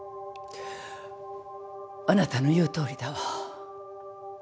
あなたの言うとおりだわ。